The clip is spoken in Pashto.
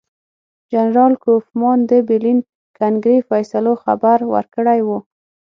جنرال کوفمان د برلین کنګرې فیصلو خبر ورکړی وو.